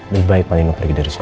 lebih baik pak nino pergi dari sini